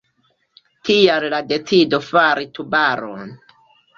Tial la decido fari Tubaron.